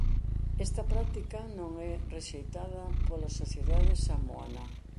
Esta práctica non é rexeitada pola sociedade samoana.